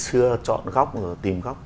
chưa chọn góc rồi tìm góc